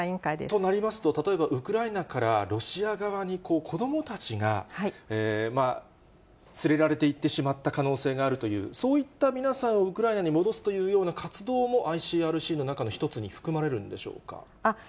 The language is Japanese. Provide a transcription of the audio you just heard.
となりますと、例えばウクライナからロシア側に、子どもたちが連れられて行ってしまった可能性があるという、そういった皆さんをウクライナに戻すというような活動も、ＩＣＲＣの中の１つに含まれるんでしょうか。